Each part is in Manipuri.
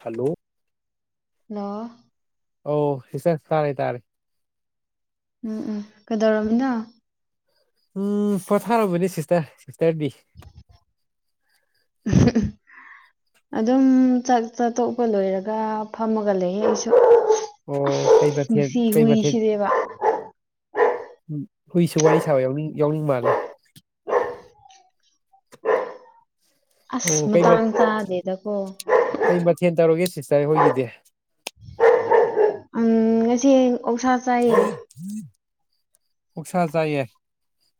ꯍꯜꯂꯣ ꯍꯜꯂꯣ ꯑꯧ ꯁꯤꯁꯇꯔ ꯇꯥꯔꯦ ꯇꯥꯔꯦ꯫ ꯎꯝ ꯎꯝ ꯀꯩꯗꯧꯔꯝꯃꯤꯅꯣ ꯎꯝ ꯄꯣꯊꯥꯔꯝꯕꯅꯦ ꯁꯤꯁꯇꯔ ꯁꯤꯁꯇꯔꯗꯤ [unintelligible] ꯑꯗꯨꯝ ꯆꯥꯛ ꯆꯥ ꯇꯣꯛꯄ ꯂꯣꯏꯔꯒ ꯐꯝꯃꯒ ꯂꯩꯌꯦ ꯑꯩꯁꯨ ꯑ ꯑꯣ ꯀꯩ ꯃꯊꯦꯜ ꯃꯁꯤ ꯀꯩ ꯍꯨꯏꯁꯤꯗꯦꯕ ꯎ ꯍꯨꯏꯁꯨ ꯋꯥꯔꯤ ꯁꯥꯕ ꯌꯥꯎꯅꯤꯡ ꯌꯥꯎꯅꯤꯡ ꯃꯥꯜꯂꯦ ꯑꯁ ꯑꯣ ꯀꯩ ꯃꯇꯥꯡ ꯆꯥꯗꯦꯗꯀꯣ ꯀꯩ ꯃꯊꯦꯜ ꯇꯧꯔꯒꯦ ꯁꯤꯁꯇꯔ ꯍꯣꯏꯒꯤꯗꯤ ꯎꯝ ꯉꯁꯤ ꯑꯣꯛꯁꯥ ꯆꯥꯏꯌꯦ ꯑꯣꯛꯁꯥ ꯆꯥꯏꯌꯦ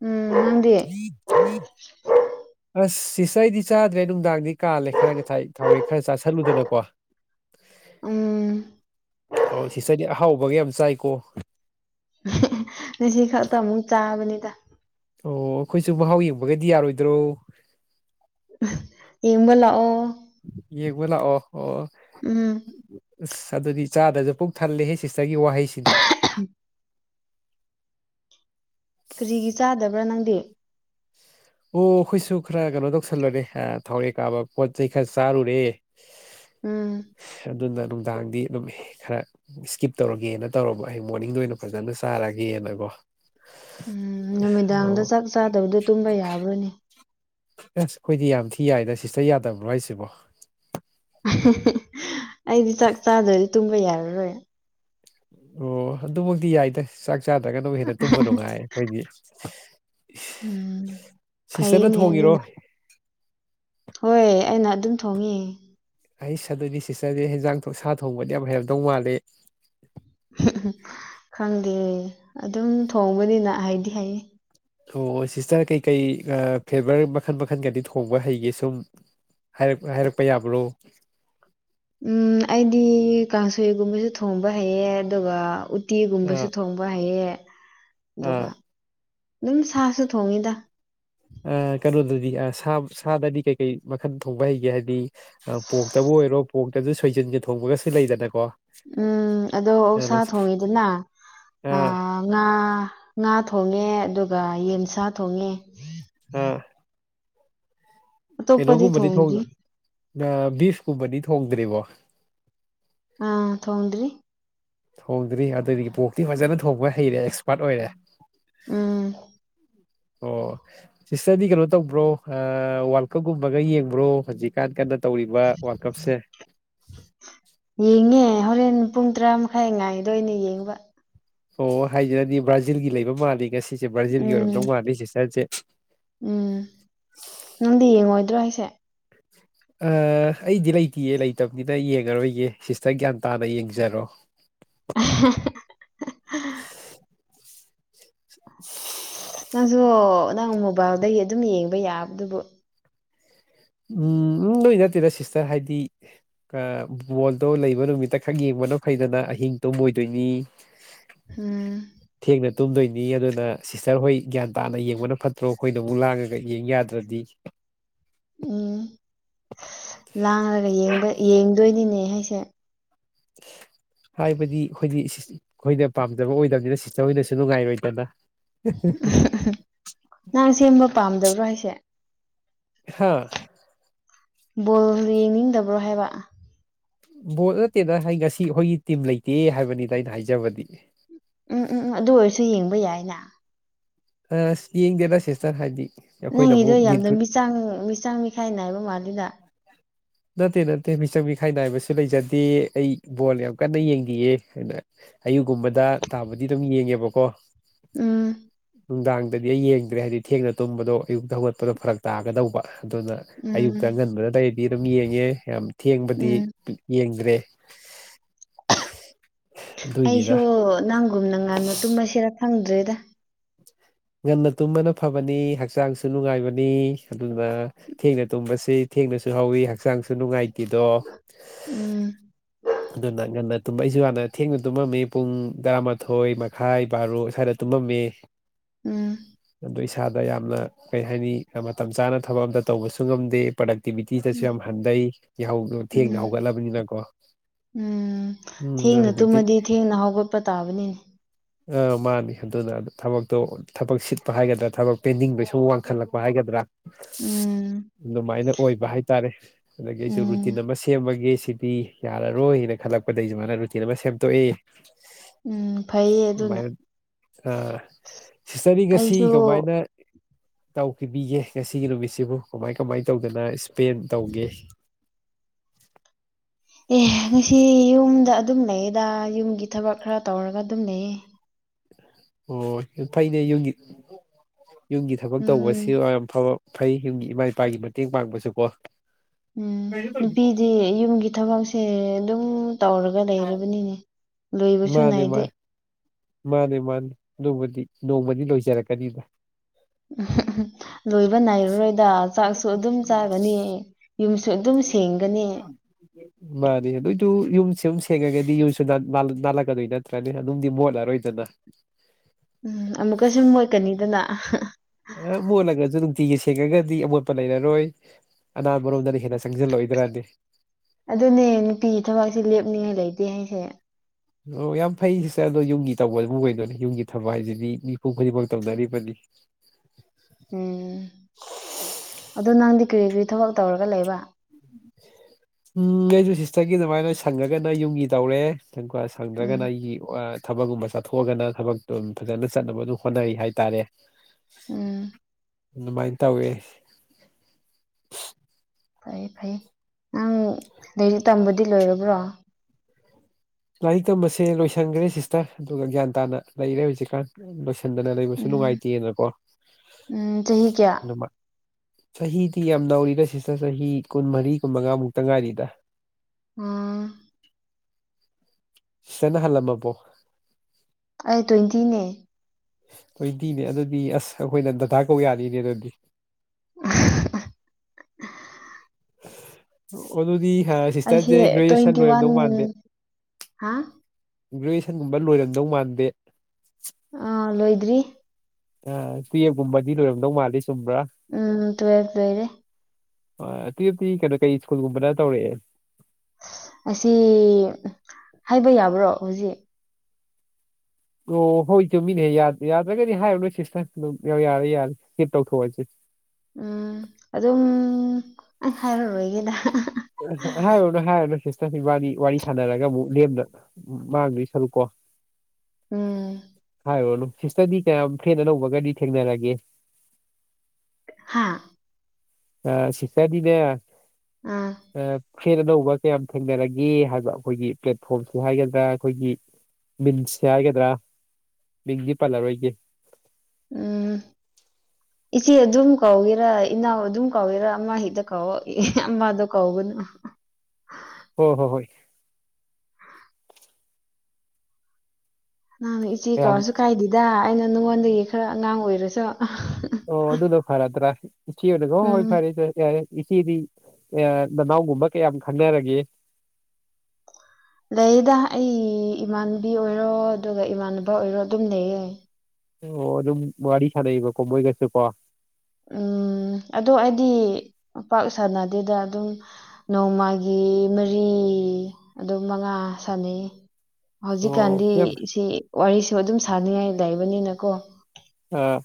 ꯎꯝ ꯅꯪꯗꯤ [inaudible] [inaudible] ꯑꯁ ꯁꯤꯁ ꯑꯩꯗꯤ ꯆꯥꯗ꯭ꯔꯦ ꯅꯨꯡꯗꯥꯡꯗꯤ ꯀꯥꯜꯂꯦ ꯈꯔ ꯉꯁꯥꯏ ꯊꯥꯎꯔꯦꯛ ꯈꯔ ꯆꯥꯥꯁꯜꯂꯨꯗꯅꯀꯣ ꯎꯝ ꯍꯣ ꯁꯤꯁꯇꯔꯗꯤ ꯑꯍꯥꯎꯕꯒ ꯌꯥꯝ ꯆꯥꯏꯀꯣ ꯉꯁꯤ ꯈꯛꯇ ꯑꯃꯨꯛ ꯆꯥꯕꯅꯤꯗ ꯑꯣ ꯑꯩꯈꯣꯏꯁꯨ ꯃꯍꯥꯎ ꯌꯦꯡꯕꯒꯗꯤ ꯌꯥꯔꯣꯏꯗ꯭ꯔꯣ ꯌꯦꯡꯕ ꯂꯥꯛꯑꯣ ꯌꯦꯡꯕ ꯂꯥꯛꯑꯣ ꯑꯣ ꯎꯝ ꯑꯁ ꯑꯗꯨꯗꯤ ꯆꯥꯗꯁꯨ ꯄꯨꯛ ꯊꯜꯂꯦꯍꯦ ꯁꯤꯁꯇꯔꯒꯤ ꯋꯥꯍꯩꯁꯤꯗ ꯀꯔꯤꯒꯤ ꯆꯥꯗꯕ꯭ꯔꯥ ꯅꯪꯗꯤ ꯍꫭ ꯑꯩꯈꯣꯏꯁꯨ ꯈꯔ ꯀꯩꯅꯣ ꯇꯧꯁꯜꯂꯨꯔꯦ ꯊꯥꯎꯔꯦꯛ ꯀꯥꯕ ꯄꯣꯠꯆꯩ ꯈꯔ ꯆꯥꯔꯨꯔꯦ ꯎꯝ ꯑꯗꯨꯅ ꯅꯨꯡꯗꯥꯡꯗꯤ ꯑꯗꯨꯝ ꯍꯦ ꯈꯔ ꯁ꯭ꯀꯤꯞ ꯇꯧꯔꯒꯦꯅ ꯇꯧꯔꯕ ꯍꯌꯦꯡ ꯃꯣꯔꯅꯤꯡꯗ ꯑꯣꯏꯅ ꯐꯖꯅ ꯆꯥꯔꯒꯦꯅꯀꯣ ꯎꯝ ꯑꯣ ꯅꯨꯃꯤꯗꯥꯡꯗ ꯆꯥꯛ ꯆꯥꯗꯕꯗꯣ ꯇꯨꯝꯕ ꯌꯥꯕ꯭ꯔꯣꯅꯦ ꯑꯦꯁ ꯑꯩꯈꯣꯏꯗꯤ ꯌꯥꯝ ꯊꯤ ꯌꯥꯏꯗ ꯁꯤꯁꯇꯔ ꯌꯥꯗꯕ꯭ꯔꯣ ꯍꯥꯏꯁꯤꯕꯣ ꯍꯦꯍꯦ ꯑꯩꯗꯤ ꯆꯥꯛ ꯆꯥꯗ꯭ꯔꯗꯤ ꯇꯨꯝꯕ ꯌꯥꯔꯔꯣꯏ ꯑꯣ ꯑꯗꯨꯃꯛꯇꯤ ꯌꯥꯏꯗ ꯆꯥꯛ ꯆꯥꯗ꯭ꯔꯒꯅꯕꯨ ꯍꯦꯟꯅ ꯇꯨꯝꯕ ꯅꯨꯡꯉꯥꯏ ꯑꯩꯈꯣꯏꯗꯤ ꯎꯝ ꯁꯤꯁꯇꯔꯅ ꯐꯩꯌꯦꯅꯦ ꯊꯣꯡꯉꯤꯔꯣ ꯑꯗꯨꯅ ꯍꯣꯏ ꯑꯩꯅ ꯑꯗꯨꯝ ꯊꯣꯡꯉꯤ ꯍꯩꯁ ꯑꯗꯨꯗꯤ ꯁꯤꯁꯇꯔꯖꯤ ꯍꯦꯟꯖꯥꯡ ꯊ ꯁꯥ ꯊꯣꯡꯕꯗꯤ ꯌꯥꯝ ꯍꯩꯔꯝꯗꯧ ꯃꯥꯜꯂꯤ ꯈꯪꯗꯦ ꯑꯗꯨꯝ ꯊꯣꯡꯕꯅꯤꯅ ꯍꯩꯗꯤ ꯍꯩ ꯑꯣ ꯁꯤꯁꯇꯔ ꯀꯩꯀꯩ ꯑ ꯐ꯭ꯂꯦꯚꯔ ꯃꯈꯟ ꯃꯈꯟꯒꯗꯤ ꯊꯣꯡꯕ ꯍꯩꯒꯦ ꯁꯨꯝ ꯍꯥꯏꯔꯛ ꯍꯥꯏꯔꯛꯄ ꯌꯥꯕ꯭ꯔꯣ ꯎꯝ ꯑꯩꯗꯤ ꯀꯥꯡꯁꯣꯏꯒꯨꯝꯕꯁꯨ ꯊꯣꯡꯕ ꯍꯩꯌꯦ ꯑꯗꯨꯒ ꯎꯇꯤꯒꯨꯝꯕꯁꯨ ꯊꯣꯡ ꯕ ꯍꯩꯌꯦ ꯑꯗꯨꯒ ꯑꯗꯨꯝ ꯁꯥꯁꯨ ꯊꯣꯡꯉꯤꯗ ꯑ ꯀꯩꯅꯣꯗꯗꯤ ꯑ ꯁꯥ ꯁꯥꯗꯗꯤ ꯀꯩ ꯀꯩ ꯃꯈꯜ ꯊꯣꯡꯕ ꯍꯩꯒꯦ ꯍꯥꯏꯗꯤ ꯑ ꯄꯣꯔꯛꯇꯕꯨ ꯑꯣꯏꯔꯣ ꯄꯣꯔꯛꯇꯁꯨ ꯁꯣꯏꯖꯤꯟꯒ ꯊꯣꯡꯕꯒꯁꯨ ꯂꯩꯗꯅꯀꯣ ꯎꯝ ꯑꯗꯣ ꯑꫭꯛꯁꯥ ꯊꯣꯡꯉꯤꯗꯅ ꯑ ꯉꯥ ꯉꯥ ꯊꯣꯡꯉꯦ ꯑꯗꯨꯒ ꯌꯦꯟꯁꯥ ꯊꯣꯡꯉꯦ ꯑꯣ ꯑꯇꯣꯞꯄꯗꯤ ꯀꯩꯅꯣꯒꯨꯝꯕꯗꯤ ꯊꯣꯡꯗ꯭ꯔꯤ ꯊꫭꯡꯗ꯭ꯔꫭ ꯑ ꯕꯤꯐꯀꯨꯝꯕꯗꯤ ꯊꯣꯡꯗ꯭ꯔꯤꯕꯣ ꯑ ꯊꫭꯡꯗ꯭ꯔꯤ ꯊꯣꯡꯗ꯭ꯔꯤ ꯑꯗꯨꯗꯤ ꯄꯣꯔꯛꯇꯤ ꯐꯖꯅ ꯊꯣꯡꯕ ꯍꯩꯔꯦ ꯑꯦꯛꯁꯄꯥꯔꯠ ꯑꯣꯏꯔꯦ ꯎꯝ ꯑꯣ ꯁꯤꯁꯇꯔꯗꯤ ꯀꯩꯅꯣ ꯇꯧꯕ꯭ꯔꯣ ꯋꯥꯔꯜꯗ ꯀꯞꯀꯨꯝꯕꯒ ꯌꯦꯡꯕ꯭ꯔꯣ ꯍꯧꯖꯤꯛ ꯀꯥꯟ ꯀꯟꯅ ꯇꯧꯔꯤꯕ ꯋꯥꯔꯜ ꯀꯞꯁꯦ ꯌꯦꯡꯉꯦ ꯍꯣꯔꯦꯟ ꯄꯨꯡ ꯇ꯭ꯔꯥ ꯃꯈꯥꯏ ꯉꯥꯏꯗꯣꯏꯅꯦ ꯌꯦꯡꯕ ꯑꯣ ꯍꯥꯏꯖꯤꯅꯗꯤ ꯕ꯭ꯔꯥꯖꯤꯜꯒꯤ ꯂꯩꯕ ꯃꯥꯜꯂꯤ ꯉꯁꯤꯁꯦ ꯕ꯭ꯔꯥꯖꯤꯜꯒꯤ ꯎꯝ ꯑꯣꯏꯔꯝꯗꯧ ꯃꯥꯜꯂꯤ ꯁꯤꯁꯇꯔꯁꯦ ꯎꯝ ꯅꯪꯗꯤ ꯌꯦꯡꯉꯣꯏꯗ꯭ꯔꯣ ꯍꯥꯏꯁꯦ ꯑ ꯑꯩꯗꯤ ꯂꯩꯇꯤꯌꯦ ꯂꯩꯇꯕꯅꯤꯅ ꯌꯦꯡꯉꯔꯣꯏꯒꯦ ꯁꯤꯁꯇꯔ ꯒ꯭ꯌꯥꯟ ꯇꯥꯅ ꯌꯦꯡꯖꯔꯣ [unintelligible] [inaudible] [inaudible] ꯅꯪꯁꯨ ꯅꯪ ꯃꯣꯕꯥꯏꯜꯗꯒꯤ ꯑꯗꯨꯝ ꯌꯦꯡꯕ ꯌꯥꯕꯗꯨꯕꯨ ꯎꯝ ꯑꯗꯨꯏ ꯅꯠꯇꯦꯗ ꯁꯤꯁꯇꯔ ꯍꯥꯏꯗꯤ ꯑ ꯕꯣꯜꯗꯣ ꯂꯩꯕ ꯅꯨꯃꯤꯠꯇ ꯈꯛ ꯌꯦꯡꯕꯅ ꯐꯩꯗꯅ ꯑꯍꯤꯡ ꯇꯨꯝꯃꯣꯏꯗꯣꯏꯅꯤ ꯎꯝ ꯊꯦꯡꯅ ꯇꯨꯝꯗꯣꯏꯅꯤ ꯑꯗꯨꯅ ꯁꯤꯁꯇꯔ ꯍꯣꯏ ꯒ꯭ꯌꯥꯟ ꯇꯥꯅ ꯌꯦꯡꯕꯅ ꯐꯠꯇ꯭ꯔꯣ ꯑꯩꯈꯣꯏꯅ ꯑꯃꯨꯛ ꯂꯥꯡꯉꯒ ꯌꯦꯡ ꯌꯥꯗ꯭ꯔꯗꯤ ꯎꯝ ꯂꯥꯡꯉꯒ ꯌꯦꯡꯕ ꯌꯦꯡꯗꯣꯏꯅꯤꯅꯦ ꯑꯩꯁꯦ ꯍꯥꯏꯕꯗꯤ ꯑꯩꯈꯣꯏꯗꯤ ꯑꯩꯈꯣꯏꯅ ꯄꯥꯝꯗꯕ ꯑꯣꯏꯗꯕꯅꯤꯅ ꯁꯤꯁꯇꯔ ꯍꯣꯏꯅꯁꯨ ꯅꯨꯡꯉꯥꯏꯔꯣꯏꯗꯅ ꯅꯪ ꯁꯦꯝꯕ ꯄꯥꯝꯗꯕ꯭ꯔꯣ ꯍꯥꯏꯁꯦ ꯍꯥꯥ ꯕꯣꯜ ꯌꯦꯡꯅꯤꯡꯗꯕ꯭ꯔꯣ ꯍꯥꯏꯕ ꯕꯣꯜ ꯅꯠꯇꯦꯗ ꯍꯥꯏ ꯉꯁꯤ ꯑꯩꯈꯣꯏꯒꯤ ꯇꯤꯝ ꯂꯩꯇꯦ ꯍꯥꯏꯕꯅꯤꯗ ꯑꯩꯅ ꯍꯥꯏꯖꯕꯗꯤ ꯎꯝ ꯎꯝ ꯎꯝ ꯑꯗꯨ ꯑꯣꯏꯔꯁꯨ ꯌꯦꯡꯕ ꯌꯥꯏꯅ ꯑꯁ ꯌꯦꯡꯗꯦꯗ ꯁꯤꯁꯇꯔ ꯍꯥꯏꯗꯤ ꯑꯩꯈꯣꯏꯅ ꯅꯪꯒꯤꯗꯣ ꯑꯃꯨꯛ ꯕꯤꯠ ꯌꯥꯝꯅ ꯃꯤꯆꯪ ꯃꯤꯆꯪ ꯃꯤꯈꯥꯏ ꯅꯥꯏꯕ ꯃꯥꯜꯂꯤꯗ ꯅꯠꯇꯦ ꯅꯠꯇꯦ ꯃꯤꯆꯪ ꯃꯤꯈꯥꯏ ꯅꯥꯏꯕꯁꯨ ꯂꯩꯖꯗꯦ ꯑꯩ ꯕꯣꯜ ꯌꯥꯝ ꯀꯟꯅ ꯌꯦꯡꯗꯤꯌꯦ [unintelligible] ꯑꯌꯨꯛꯀꯨꯝꯕꯗ ꯇꯥꯕꯨꯗꯤ ꯑꯗꯨꯝ ꯌꯦꯡꯉꯦꯕꯀꯣ ꯎꯝ ꯅꯨꯡꯗꯥꯡ ꯗꯗꯤ ꯑꯩ ꯌꯦꯡꯗ꯭ꯔꯦ ꯍꯥꯏꯗꯤ ꯊꯦꯡꯅ ꯇꯨꯝꯕꯗꯣ ꯑꯌꯨꯛꯇ ꯍꯧꯒꯠꯄꯗꯣ ꯐꯔꯛ ꯇꯥꯒꯗꯧꯕ ꯑꯗꯨꯅ ꯎꯝ ꯑꯌꯨꯛꯇ ꯑꯉꯟꯕꯗ ꯂꯩꯔꯗꯤ ꯑꯗꯨꯝ ꯌꯦꯡꯉꯦ ꯌꯥꯝ ꯊꯦꯡꯕꯗꯤ ꯎꯝ ꯌꯦꯡꯗ꯭ꯔꯦ ꯑꯗꯨꯏꯅꯤꯗ ꯑꯩꯁꯨ ꯅꯪꯒꯨꯝꯅ ꯉꯟꯅ ꯇꯨꯝꯃꯁꯤꯔꯥ ꯈꯪꯗ꯭ꯔꯦꯗ ꯉꯟꯅ ꯇꯨꯝꯕꯅ ꯐꯕꯅꯤ ꯍꯛꯆꯥꯡꯁꯨ ꯅꯨꯡꯉꯥꯏꯕꯅꯤ ꯑꯗꯨꯅ ꯊꯦꯡꯅ ꯇꯨꯝꯕꯁꯤ ꯊꯦꯡꯅꯁꯨ ꯍꯧꯋꯤ ꯍꯛꯆꯥꯡꯁꯨ ꯅꯨꯡꯉꯥꯏꯇꯤꯗꯣ ꯎꯝ ꯑꯗꯨꯅ ꯉꯟꯅ ꯇꯨꯝꯕ ꯑꯩꯁꯨ ꯍꯥꯟꯅ ꯊꯦꯡꯅ ꯇꯨꯝꯃꯝꯃꯤ ꯄꯨꯡ ꯇꯔꯥꯃꯥꯊꯣꯏ ꯃꯈꯥꯏ ꯕꯥꯔꯣ ꯁ꯭ꯋꯥꯏꯗ ꯇꯨꯝꯃꯝꯃꯦ ꯎꯝ ꯑꯗꯨ ꯏꯁꯥꯗ ꯌꯥꯝꯅ ꯀꯩ ꯍꯥꯏꯅꯤ ꯃꯇꯝ ꯆꯥꯅ ꯊꯕꯛ ꯑꯝꯇ ꯇꯧꯕꯁꯨ ꯉꯝꯗꯦ ꯄ꯭ꯔꯗꯛꯇꯤꯚꯤꯇꯤꯗꯖꯨ ꯎꯝ ꯌꯥꯝ ꯍꯟꯗꯩ ꯌꯥꯍꯧꯗꯨ ꯊꯦꯡꯅ ꯎꯝ ꯍꯧꯒꯠꯂꯕꯅꯤꯅꯀꯣ ꯎꯝ ꯎꯝ ꯊꯦꯡꯅ ꯍꯧꯖꯤꯛꯇꯤ ꯇꯨꯝꯃꯗꯤ ꯊꯦꯡꯅ ꯍꯧꯒꯠꯄ ꯇꯥꯕꯅꯤꯅꯦ ꯑꯥ ꯃꯥꯅꯤ ꯑꯗꯨꯅ ꯊꯕꯛꯇꯣ ꯊꯕꯛ ꯁꯤꯠꯄ ꯍꯥꯏꯒꯗ꯭ꯔꯥ ꯊꯕꯛ ꯄꯦꯟꯅꯤꯡꯕꯩꯁꯨ ꯋꯥꯡꯈꯠꯂꯛꯄ ꯍꯥꯏꯒꯗ꯭ꯔꯥ ꯎꯝ ꯑꯗꯨꯃꯥꯏꯅ ꯑꯣꯏꯕ ꯍꯥꯏꯇꯥꯔꯦ ꯑꯗꯒꯤ ꯑꯩꯁꯨ ꯎꯝ ꯔꯨꯇꯤꯟ ꯑꯃ ꯁꯦꯝꯃꯒꯦ ꯁꯤꯗꯤ ꯌꯥꯔꯔꯣꯏꯅ ꯈꯜꯂꯛꯄꯗꯩ ꯑꯩꯖꯨ [unintelligible] ꯔꯨꯇꯤꯟ ꯑꯃ ꯁꯦꯝꯇꯣꯛꯑꯦ [unintelligible] ꯐꯩꯌꯦ ꯑꯗꯨꯅ [unintelligible] ꯑꯥ ꯁꯤꯁꯇꯔꯗꯤ ꯉꯁꯤ ꯑꯩꯁꯨ ꯀꯃꯥꯏꯅ ꯇꯧꯈꯤꯕꯤꯒꯦ ꯉꯁꯤꯒꯤ ꯅꯨꯃꯤꯠꯁꯤꯕꯨ ꯀꯃꯥꯏ ꯀꯃꯥꯏ ꯇꯧꯗꯅ ꯏꯁꯄꯦꯟ ꯇꯧꯒꯦ ꯑꯦ ꯉꯁꯤ ꯌꯨꯝꯗ ꯑꯗꯨꯝ ꯂꯩꯌꯦꯗ ꯌꯨꯝꯒꯤ ꯊꯕꯛ ꯈꯔ ꯇꯧꯔꯒ ꯑꯗꯨꯝ ꯂꯩꯌꯦ ꯑꯣ ꯌꯥꯝ ꯐꯩꯅꯦ ꯌꯨꯝꯒꯤ ꯌꯨꯝꯒꯤ ꯊꯕꯛ ꯇꯧꯕꯁꯤ ꯎꯝ ꯌꯥꯝ ꯐꯕ ꯐꯩ ꯌꯨꯝꯒꯤ ꯏꯃꯥ ꯏꯄꯥꯒꯤ ꯃꯇꯦꯡ ꯄꯥꯡꯕꯁꯨꯀꯣ ꯎꯝ ꯅꯨꯄꯤꯗꯤ ꯌꯨꯝꯒꯤ ꯊꯕꯛꯁꯦ ꯑꯗꯨꯝ ꯇꯧꯔ ꯒ ꯂꯩꯔꯕꯅꯤꯅꯦ ꯂꯣꯏꯕꯁꯨ ꯅꯥꯏꯗꯦ ꯃꯥꯅꯤ ꯃꯥꯅꯤ ꯑꯗꯨꯕꯨꯗꯤ ꯅꯣꯡꯃꯗꯤ ꯂꯣꯏꯖꯔꯛꯀꯅꯤꯗ [unintelligible] ꯂꯣꯏꯕ ꯅꯥꯏꯔꯔꯣꯏꯗ ꯆꯥꯛꯁꯨ ꯑꯗꯨꯝ ꯆꯥꯒꯅꯤ ꯌꯨꯝꯁꯨ ꯑꯗꯨꯝ ꯁꯦꯡꯒꯅꯤ꯫ ꯃꯥꯅꯤ ꯑꯗꯨ ꯑꯗꯨ ꯌꯨꯝꯁꯨ ꯁꯦꯡꯉꯒꯗꯤ ꯌꯨꯝꯁꯨ ꯅꯥꯟ ꯅꯥꯜꯂꯛꯀꯗꯣꯏ ꯅꯠꯇ꯭ꯔꯅꯦ ꯑꯗꯨꯝꯗꯤ ꯃꯣꯠꯂꯔꯣꯏꯗꯅ꯫ ꯎꯝ ꯑꯃꯨꯛꯀ ꯁꯨ ꯃꯣꯠꯀꯅꯤꯗꯅ꯫ ꯑ ꯃꯣꯠꯂꯒꯖꯨ ꯅꯨꯡꯇꯤꯒꯤ ꯁꯦꯡꯉꯒꯗꯤ ꯑꯃꯣꯠꯄ ꯂꯩꯔꯔꯣꯏ꯫ ꯑꯅꯥꯟꯕꯔꯣꯝꯗꯅ ꯍꯦꯟꯅ ꯆꯪꯖꯜꯂꯛꯑꯣꯏꯗ꯭ꯔꯅꯦ꯫ ꯑꯗꯨꯅꯦ ꯅꯨꯄꯤꯒꯤ ꯊꯕꯛꯁꯤ ꯂꯦꯞꯅꯤꯉꯥꯏ ꯂꯩꯇꯦ ꯍꯥꯏꯁꯦ꯫ ꯑꯣ ꯌꯥꯝ ꯐꯩ ꯁꯤꯁꯦ ꯑꯗꯣ ꯌꯨꯝꯒꯤ ꯇꯧꯕ ꯑꯗꯨꯕꯨ ꯑꯣꯏꯗꯣꯏꯅꯦ ꯌꯨꯝꯒꯤ ꯊꯕꯛ ꯍꯥꯏꯁꯤꯗꯤ ꯃꯤꯄꯨꯝ ꯈꯨꯗꯤꯡꯃꯛ ꯇꯧꯅꯔꯤꯕꯅꯤ꯫ ꯎꯝ ꯑꯗꯣ ꯅꯪꯗꯤ ꯀ꯭ꯔꯤ ꯀ꯭ꯔꯤ ꯊꯕꯛ ꯇꯧꯔꯒ ꯂꯩꯕ? ꯎꯝ ꯑꯩꯖꯨ ꯁꯤꯁꯇꯔꯒꯤ ꯑꯗꯨꯃꯥꯏꯅ ꯁꯪꯉꯒꯅ ꯌꯨꯝꯒꯤ ꯇꯧꯔꯦ ꯎꯝ ꯁꯪꯗ꯭ꯔꯒꯅ ꯑꯩꯒꯤ ꯊꯕꯛꯀꯨꯝꯕ ꯆꯠꯊꯣꯛꯑꯒꯅ ꯊꯕꯛꯇꯣ ꯐꯖꯅ ꯆꯠꯅꯕ ꯑꯗꯨ ꯍꯣꯠꯅꯩ ꯍꯥꯏꯇꯥꯔꯦ꯫ ꯎꯝ ꯑꯗꯨꯃꯥꯏ ꯇꯧꯋꯦ꯫ ꯐꯩ ꯐꯩ ꯅꯪ ꯂꯥꯏꯔꯤꯛ ꯇꯝꯕꯗꯤ ꯂꯣꯏꯔꯕ꯭ꯔꯣ? ꯂꯥꯏꯔꯤꯛ ꯇꯝꯕꯁꯦ ꯂꯣꯏꯁꯟꯒ꯭ꯔꯦ ꯁꯤꯁꯇꯔ ꯑꯗꯨꯒ ꯒ꯭ꯌꯥꯟ ꯇꯥꯅ ꯂꯩꯔꯦ ꯍꯧꯖꯤꯛꯀꯥꯟ ꯁꯟꯗꯅ ꯂꯩꯕꯁꯨ ꯎꯝ ꯅꯨꯡꯉꯥꯏꯇꯦꯅꯀꯣ ꯎꯝ ꯆꯍꯤ ꯀꯌꯥ ꯑꯗꯨꯃꯥꯏ ꯆꯍꯤꯗꯤ ꯌꯥꯝ ꯅꯧꯔꯤꯗ ꯁꯤꯁꯇꯔ ꯆꯍꯤ ꯀꯨꯟꯃꯔꯤ ꯀꯨꯟꯃꯉꯥꯃꯨꯛꯇ ꯉꯥꯏꯔꯤꯗ꯫ ꯑꯣ ꯁꯤꯁꯇꯔꯅ ꯍꯜꯂꯝꯃ ꯕꯣ? ꯑꯩ ꯇ꯭ꯋꯦꯟꯇꯤꯅꯦ ꯇ꯭ꯋꯦꯟꯇꯤꯅꯦ ꯑꯗꯨꯗꯤ ꯑꯁ ꯑꯩꯈꯣꯏꯗ ꯗꯗꯥꯗꯥ ꯀꯧ ꯌꯥꯅꯤꯅꯦ ꯅꯪꯗꯤ꯫ [unintelligible] ꯑꯗꯨꯗꯤ ꯑꯩꯁꯦ ꯁꯤꯁꯇꯔꯖꯦ ꯒ꯭ꯔꯦꯖꯨꯌꯦꯁꯟ ꯇ꯭ꯋꯦꯟꯇꯤ ꯋꯥꯟ ꯂꯣꯏꯔꯝꯗꯧ ꯃꯥꯟꯗꯦ꯫ ꯍꯥ ꯒ꯭ꯔꯦꯖꯨꯑꯦꯁꯟꯒꯨꯝꯕ ꯂꯣꯏꯔꯝꯗꯧ ꯃꯥꯟꯗꯦ꯫ ꯑꯥ ꯂꯣꯏꯗ꯭ꯔꯤ꯫ ꯑ ꯇꯨꯌꯦꯞꯒꯨꯝꯕꯗꯤ ꯂꯣꯏꯔꯝꯗꯧ ꯃꯥꯜꯂꯤ ꯆꯨꯝꯕ꯭ꯔꯥ? ꯎꯝ ꯇ꯭ꯋꯦꯜꯞ ꯂꯣꯏꯔꯦ꯫ ꯇꯨꯌꯦꯞꯇꯤ ꯀꯩꯅꯣ ꯀꯩ ꯁ꯭ꯀꯨꯜꯒꯨꯝꯕꯅ ꯇꯧꯔꯛꯑꯦ? ꯑꯁꯤ ꯍꯥꯏꯕ ꯌꯥꯕ꯭ꯔꯣ ꯍꯧꯖꯤꯛ ꯑꯣ ꯍꯣꯏ ꯆꯨꯝꯃꯤꯅꯦꯍꯦ ꯌꯥꯗ꯭ꯔꯒꯗꯤ ꯍꯥꯏꯔꯨꯅꯣ ꯁꯤꯁꯇꯪꯝ ꯌꯥꯔꯦ ꯌꯥꯔꯦ ꯏꯁꯀꯤꯞ ꯇꯧꯊꯣꯛꯑꯁꯤ꯫ ꯎꯝ ꯑꯗꯨꯝ ꯑꯩ ꯍꯥꯏꯔꯔꯣꯏꯒꯦꯗ꯫ ꯍꯥꯏꯌꯨꯅꯨ ꯍꯥꯏꯌꯨꯅꯨ ꯁꯤꯁꯇꯔ ꯏꯕꯥꯅꯤ ꯋꯥꯔꯤ ꯁꯥꯟꯅꯔꯒ ꯑꯃꯨꯛ ꯂꯦꯝꯅ ꯃꯥꯡꯗꯨꯏ ꯁꯔꯨꯛ ꯀꯣ ꯎꯝ ꯍꯥꯏꯔꯨꯅꯨ ꯁꯤꯁꯁꯔꯗꯤ ꯀꯌꯥꯝ [unintelligible] ꯎꯕꯒꯗꯤ ꯊꯦꯡꯒꯅꯔꯒꯦ? ꯍꯥ ꯑꯥ ꯁꯤꯁꯇꯔꯗꯤꯅꯦ ꯑꯥ ꯐꯦꯟ ꯑꯅꯧꯕ ꯀꯌꯥꯝ ꯊꯦꯡꯅꯔꯒꯦ ꯍꯥꯏꯕ ꯑꯈꯣꯏꯒꯤ ꯄ꯭ꯂꯦꯠꯐꯣꯝꯁꯤ ꯍꯥꯏꯒꯗ꯭ꯔꯥ ꯑꯈꯣꯏꯒꯤ ꯃꯤꯟꯁꯦ ꯍꯥꯏꯒꯗ꯭ꯔꯥ ꯃꯤꯟꯗꯤ ꯄꯜꯂꯔꯣꯏꯒꯦ꯫ ꯎꯝ ꯏꯆꯦ ꯑꯗꯨꯝ ꯀꯧꯒꯦꯔꯥ ꯏꯅꯥꯎ ꯑꯗꯨꯝ ꯀꯧꯒꯦꯔꯥ ꯑꯃ ꯍꯦꯛꯇ ꯀꯧꯑꯣ ꯑꯃꯗꯣ ꯀꯧꯒꯅꯨ꯫ ꯍꯣ ꯍꯣ ꯍꯣꯏ ꯅꯪꯅ ꯏꯆꯦ ꯀꯌꯥꯝ ꯀꯧꯔꯁꯨ ꯀꯥꯏꯗꯦꯗ ꯑꯩꯅ ꯅꯉꯣꯟꯗꯒꯤ ꯈꯔ ꯑꯉꯥꯡ ꯑꯣꯏꯔꯁꯨ꯫ ꯑꯣ ꯑꯗꯨꯗꯣ ꯐꯔꯠꯇ꯭ꯔꯥ ꯁꯤꯅꯦ ꯍꯣꯏ ꯎꯝ ꯐꯔꯦ ꯌꯥꯔꯦ ꯏꯆꯦꯗꯤ ꯑ ꯅꯅꯥꯎꯒꯨꯝꯕ ꯀꯌꯥꯝ ꯈꯪꯅꯔꯒꯦ ꯂꯩꯌꯦꯗ ꯑꯩ ꯏꯃꯥꯟꯅꯕꯤ ꯑꯣꯏꯔꯣ ꯑꯗꯨꯒ ꯏꯃꯥꯟꯅꯕ ꯑꯣꯏꯔꯣ ꯑꯗꯨꯝ ꯂꯩꯌꯦ ꯑꯣ ꯑꯗꯨꯝ ꯋꯥꯔꯤ ꯁꯥꯟꯅꯩꯕꯀꯣ ꯃꯣꯏꯒꯁꯨ ꯀꯣ ꯎꯝ ꯑꯗꯣ ꯑꯩꯗꯤ ꯄꯥꯛ ꯁꯅꯗꯦꯗ ꯑꯗꯨꯝ ꯅꯣꯡꯃꯒꯤ ꯃꯔꯤ ꯑꯗꯨꯝ ꯃꯉꯥ ꯁꯥꯟꯅꯩ ꯑꯣ ꯍꯧꯖꯤꯛꯀꯥꯟꯗꯤ ꯌꯥꯝ ꯁꯤ ꯋꯥꯔꯤꯁꯨ ꯑꯗꯨꯝ ꯁꯥꯥꯟꯅꯤꯡꯉꯥꯏ ꯂꯩꯕꯅꯤꯅꯀꯣ ꯑ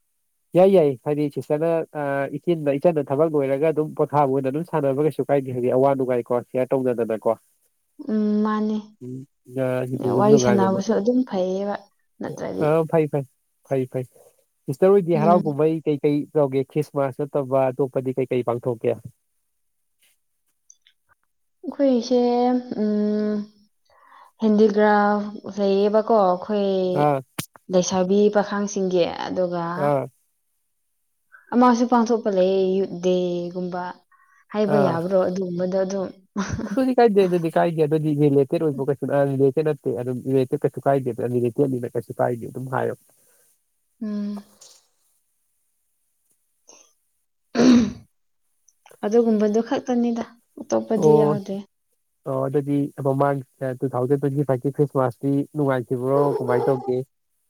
[unintelligible] ꯌꯥꯏ ꯌꯥꯏ ꯍꯥꯏꯗꯤ ꯁꯤꯁꯇꯔꯅ ꯏꯆꯤꯟꯅ ꯏꯆꯟꯅ ꯊꯕꯛ ꯂꯣꯏꯔꯒ ꯑꯗꯨꯝ ꯄꯣꯊꯥꯕ ꯑꯣꯏꯅ ꯑꯗꯨꯝ ꯁꯥꯟꯅꯕ ꯀꯩꯁꯨ ꯀꯥꯏꯗꯦ ꯍꯥꯏꯗꯤ ꯑꯋꯥ ꯅꯨꯡ ꯀꯥꯏꯀꯣ ꯁꯤꯌꯥꯔ ꯇꯧꯅꯗꯅꯀꯣ ꯎꯝ ꯃꯥꯅꯦ ꯎꯝ ꯌꯥꯗ ꯀꯥꯏ ꯑꯗꯨꯝ ꯋꯥꯔꯤ ꯅꯨꯉꯥꯏꯔꯝꯃꯣꯏ ꯁꯥꯟꯅꯕꯁꯨ ꯑꯗꯨꯝ ꯐꯩꯌꯦꯕ ꯑ ꯅꯠꯇ꯭ꯔꯗꯤ ꯐꯩ ꯐꯩ ꯐꯩ ꯐꯩ ꯏꯁꯇꯔ ꯑꯣꯏꯗꯤ ꯍꯔꯥꯎ ꯎꯝ ꯀꯨꯝꯍꯩ ꯀꯩ ꯀꯩ ꯇꯧꯒꯦ ꯈ꯭ꯔꯤꯁꯃꯥꯁ ꯅꯠꯇꯕ ꯑꯇꯣꯞꯄꯗꯤ ꯀꯩ ꯀꯩ ꯄꯥꯡꯊꯣꯛꯀꯦ ꯑꯩꯈꯣꯏ ꯏꯁꯦ ꯎꯝ ꯍꯦꯟꯗꯤꯀ꯭ꯔꯥꯐ ꯂꯩꯌꯦꯕ ꯀꯣ ꯑꯩꯈꯣꯏ ꯑꯥ ꯂꯩꯁꯥꯕꯤ ꯄꯥꯈꯥꯡꯁꯤꯡꯒꯤ ꯑꯗꯨꯒ ꯑꯥ ꯑꯃꯁꯨ ꯄꯥꯡꯊꯣꯛꯄ ꯂꯩ ꯌꯨꯠ ꯗꯦꯒꯨꯝꯕ ꯍꯥꯏꯕ ꯑꯥ ꯌꯥꯕ꯭ꯔꯣ ꯑꯗꯨꯒꯨꯝꯕꯗ ꯑꯗꯨꯝ [unintelligible] ꯑꯗꯨꯗꯤ ꯀꯥꯏꯗꯦ ꯑꯗꯨꯗꯤ ꯀꯥꯏꯗꯦ ꯑꯗꯨꯗꯤꯔꯤꯂꯦꯇꯦꯠ ꯑꯣꯏꯕ ꯀꯩꯁꯨꯔꯤꯂꯦꯠꯇꯦꯠ ꯇꯠꯇꯦ ꯀꯩꯁꯨ ꯀꯥꯏꯗꯦ ꯀꯦꯜꯂꯤꯅ ꯀꯩꯁꯨ ꯀꯥꯏꯅꯤ ꯑꯗꯨꯝ ꯍꯥꯏꯌꯣ ꯎꯝ ꯑꯗꯨꯒꯨꯝꯕꯗꯨ ꯈꯛꯇꯅꯤꯗ ꯑꯇꯣꯞꯄꯗꯤ ꯑꯣ ꯌꯥꯎꯗꯦ ꯑꯣ ꯑꯗꯨꯗꯤ ꯃꯃꯥꯡ ꯇꯨ ꯊꯥꯎꯖꯟ ꯇ꯭ꯋꯦꯟꯇꯤ ꯐꯥꯏꯚꯀꯤ ꯈ꯭ꯔꯤꯁꯃꯥꯁꯇꯤ ꯅꯨꯡꯉꯥꯏꯈꯤꯕ꯭ꯔꯣ ꯀꯃꯥꯏꯅ ꯇꯧꯒꯦ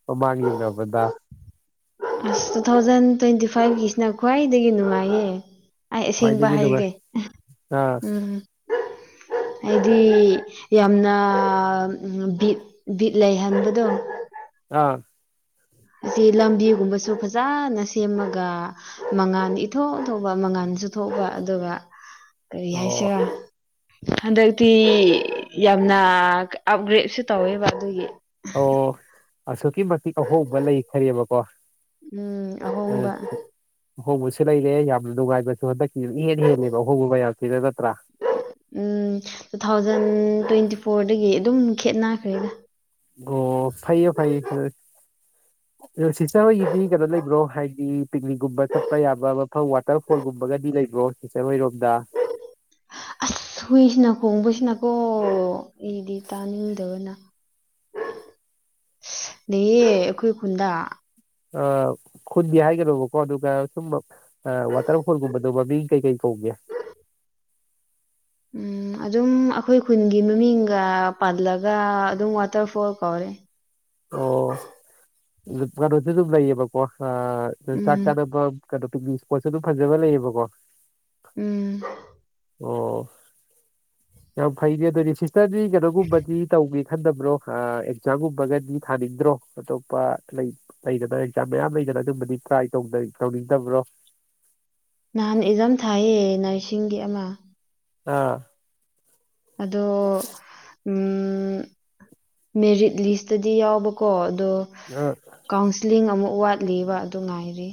ꯃꯥꯃꯥꯛꯒ ꯌꯦꯜꯅꯕꯗ ꯑꯁ ꯇꯨ ꯊꯥꯎꯖꯟ ꯇ꯭ꯋꯦꯟꯇꯤ ꯐꯥꯏꯚꯀꯤꯁꯤꯅ ꯈ꯭ꯋꯥꯏꯗꯒꯤ ꯅꯨꯡꯉꯥꯏꯌꯦ ꯑꯩ ꯑꯁꯦꯡꯕ ꯈ꯭ꯋꯥꯏꯗꯒꯤ ꯅꯨꯡꯉꯥꯏ ꯍꯩꯒꯦ ꯑꯥ ꯎꯝ ꯍꯥꯏꯗꯤ ꯌꯥꯝꯅ ꯕꯤꯠ ꯕꯤꯠ ꯂꯩꯍꯟꯕꯗꯣ ꯑꯥ ꯑꯁꯤ ꯂꯝꯕꯤꯒꯨꯝꯕꯁꯨ ꯐꯖꯅ ꯁꯦꯝꯃꯒ ꯃꯉꯥꯜ ꯏꯊꯣꯛꯊꯧꯕ ꯃꯉꯥꯜꯁꯨ ꯊꯣꯛꯣꯛꯕ ꯑꯗꯨꯒ ꯀꯔꯤ ꯑꯣ ꯍꯥꯏꯁꯤꯔꯣ ꯍꯟꯗꯛꯇꯤ ꯌꯥꯝꯅ ꯑꯞꯒ꯭ꯔꯦꯗꯁꯨ ꯇꯧꯋꯦꯕ ꯑꯗꯨꯒꯤ ꯑꯣ ꯑꯁꯨꯛꯀꯤ ꯃꯇꯤꯛ ꯑꯍꯣꯡꯕ ꯂꯩꯈꯔꯤꯕꯀꯣ ꯎꯝ ꯑꯍꯣꯡꯕ ꯑꯍꯣꯡꯕꯁꯨ ꯂꯩꯔꯦ ꯌꯥꯝꯅ ꯅꯨꯡꯉꯥꯏꯕꯁꯨ ꯍꯟꯗꯛꯀꯤꯁꯨ ꯍꯦꯟꯅ ꯍꯦꯟꯅꯦꯕ ꯑꯍꯣꯡꯕ ꯃꯌꯥꯝꯁꯤꯗ ꯅꯠꯇ꯭ꯔꯥ ꯎꯝ ꯇꯨ ꯊꯥꯎꯖꯟ ꯇ꯭ꯋꯦꯟꯇꯤ ꯐꯣꯔꯗꯒꯤ ꯑꯗꯨꯝ ꯈꯦꯠꯅꯈ꯭ꯔꯦꯗ ꯑꯣ ꯐꯥꯏꯌꯦ ꯐꯥꯏꯌꯦ [unintelligible] ꯑꯗ ꯁꯤꯁꯇꯔ ꯍꯣꯏꯒꯤꯗꯤ ꯀꯩꯅꯣ ꯂꯩꯕ꯭ꯔꯣ ꯍꯥꯏꯗꯤ ꯄꯤꯛꯅꯤꯛꯒꯨꯝꯕ ꯆꯠꯄ ꯌꯥꯕ ꯃꯐꯝ ꯋꯥꯇꯔ ꯐꯣꯜꯒꯨꯝꯕꯒꯗꯤ ꯂꯩꯕ꯭ꯔꯣ ꯁꯤꯇꯔ ꯍꯣꯏ ꯔꯣꯝꯗ ꯑꯁ ꯍꯨꯏꯁꯤꯅ ꯈꯣꯡꯕꯁꯤꯅꯀꯣ ꯑꯩꯗꯤ ꯇꯥꯅꯤꯡꯗꯕꯅ ꯂꯩꯌꯦ ꯑꯩꯈꯣꯏ ꯈꯨꯟꯗꯥ ꯑꯥ ꯈꯨꯟꯗꯤ ꯍꯥꯏꯒꯅꯨꯕꯀꯣ ꯑꯗꯨꯒ ꯁꯨꯝ ꯃ ꯑ ꯋꯥꯇꯔ ꯐꯣꯜꯒꯨꯝꯕꯗꯣ ꯃꯃꯤꯡ ꯀꯩ ꯀꯩ ꯀꯧꯒꯦ ꯎꯝ ꯑꯗꯨꯝ ꯑꯩꯈꯣꯏ ꯈꯨꯟꯒꯤ ꯃꯃꯤꯡꯒ ꯄꯜꯂꯒ ꯑꯗꯨꯝ ꯋꯥꯇꯔꯐꯣꯜ ꯀꯧꯋꯦ ꯑꯣ ꯀꯩꯅꯣꯁꯨꯝ ꯗꯨꯝ ꯂꯩꯌꯦꯕꯀꯣ ꯑꯥ ꯆꯥꯛ ꯎꯝ ꯆꯅꯥꯕꯝ ꯀꯗꯣ ꯄꯤꯛꯅꯤ ꯀ꯭ꯋꯥꯔꯇꯔꯗꫭ ꯐꯥꯖꯕ ꯂꯩꯌꯦꯕꯀꯣ ꯎꯝ꯫ ꯑꯣ [inaudible] ꯌꯥꯝ ꯐꯩꯅꯦ ꯑꯗꯨꯗꯤ ꯁꯤꯁꯇꯔꯗꯤ ꯀꯩꯅꯣꯒꯨꯝꯕꯗꯤ ꯇꯧꯒꯦ ꯈꯟꯗꯕ꯭ꯔꯣ ꯑꯥ ꯑꯦꯛꯖꯥꯝꯒꯨꯝꯕꯒꯗꯤ ꯊꯥꯅꯤꯡꯗ꯭ꯔꯣ꯫ ꯑꯇꯣꯞꯄ ꯂꯩ ꯂꯩꯗꯅ ꯑꯦꯛꯖꯥꯝ ꯃꯌꯥꯝ ꯂꯩꯗꯅ ꯑꯗꯨꯝꯕꯗꯤ ꯇ꯭ꯔꯥꯏ ꯇꯧꯗ ꯇꯧꯅꯤꯡꯗꯕ꯭ꯔꯣ ꯅꯍꯥꯟ ꯑꯦꯛꯖꯥꯝ ꯊꯥꯏꯌꯦ ꯅꯔꯁꯤꯡꯒꯤ ꯑꯃ ꯑꯥ ꯑꯗꯣ ꯎꯝ ꯃꯦꯔꯤꯠ ꯂꯤꯁꯇꯗꯤ ꯌꯥꯎꯕꯀꯣ ꯑꯗꯣ ꯔꯥ ꯀꯥꯎꯟꯁꯦꯂꯤꯡ ꯑꯃꯨꯛ ꯋꯥꯠꯂꯤꯕ ꯑꯗꯨ ꯉꯥꯏꯔꯤ꯫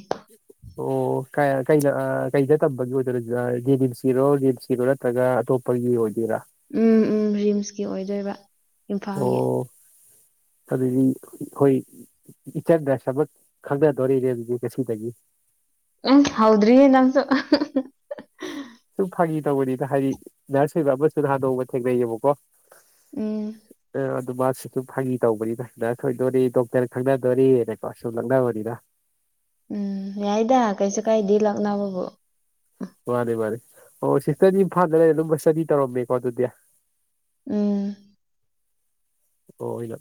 ꯑꯣ ꯀꯥꯏ ꯀꯩꯗ ꯑꯥ ꯀꯩꯗ ꯇꯝꯕꯒꯤ ꯑꯣꯏꯗꯣꯏꯅꯣ ꯑꯥ ꯖꯤꯅꯤꯝꯁꯀꯤꯔꯣ ꯔꯤꯝꯁꯀꯤꯔꯣ ꯅꯠ ꯇꯗꯥ ꯑꯇꯣꯞꯄꯒꯤ ꯑꯣꯏꯗꯣꯏꯔꯥ ꯎꯝ ꯎꯝ ꯔꯤꯝꯁꯀꯤ ꯑꯣꯏꯗꯣꯏꯕ ꯏꯝꯐꯥꯜꯒꯤ ꯑꯣ ꯑꯗꯨꯗꯤ ꯑꯩꯈꯣꯏ ꯏꯆꯟꯗ ꯁꯕꯟ ꯈꯪꯅꯗꯣꯔꯦꯅꯦ ꯑꯗꯨꯗꯤ ꯉꯁꯤꯗꯒꯤ ꯑꯦ ꯍꯧꯗ꯭ꯔꯤꯌꯦ ꯅꯪꯁꯨ ꯁꯨꯝ ꯐꯥꯒꯤ ꯇꯧꯕꯅꯤꯗ ꯍꯥꯏꯗꯤ ꯅꯔꯁ ꯀꯨꯝꯕ ꯑꯃꯁꯨ ꯅꯍꯥꯟ ꯅꯣꯡꯃ ꯊꯦꯡꯅꯩꯌꯦꯕꯀꯣ ꯎꯝ꯫ ꯑꯥ ꯑꯗꯨ ꯃꯥꯁꯨ ꯁꯨꯝ ꯐꯥꯒꯤ ꯇꯧꯕꯅꯤꯗ ꯅꯔꯁ ꯑꯣꯏꯗꯣꯔꯦ ꯗꯣꯛꯇꯔ ꯈꯪꯅꯗꯣꯔꯦꯅꯀꯣ ꯁꯨꯝ ꯂꯛꯅꯕꯅꯤꯗ ꯎꯝ ꯌꯥꯏꯗ ꯀꯩꯁꯨ ꯀꯥꯏꯗꯦ ꯂꯛꯅꯕꯕꯨ ꯃꯥꯅꯦ ꯃꯥꯅꯦ ꯑꯣ ꯁꯤꯁꯇꯗꯤ ꯏꯝꯐꯥꯜꯗ ꯂꯩꯔ ꯗꯨꯝ ꯚꯥꯁꯥꯗꯤ ꯇꯧꯔꯝꯃꯦꯀꯣ ꯑꯗꯨꯗꯤ ꯎꯝ꯫ ꯑꯣ ꯑꯩꯅ